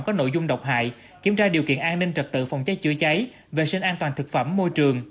có nội dung độc hại kiểm tra điều kiện an ninh trật tự phòng cháy chữa cháy vệ sinh an toàn thực phẩm môi trường